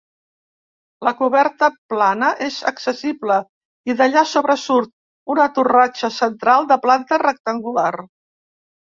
La coberta plana és accessible i d'allà sobresurt una torratxa central de planta rectangular.